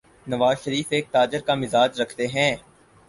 نوازشریف ایک تاجر کا مزاج رکھتے ہیں۔